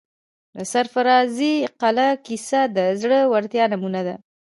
د سرافرازۍ قلعې کیسه د زړه ورتیا نمونه ده.